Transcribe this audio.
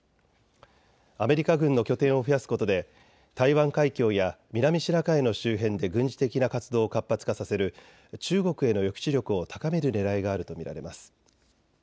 アメリカ軍の拠点を増やすことで台湾海峡や南シナ海の周辺で軍事的な活動を活発化させる中国への抑止力を高めるねらいがあると見られます。